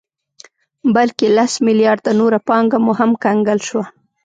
بلکې لس مليارده نوره پانګه مو هم کنګل شوه